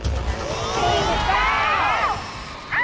๔๙บาท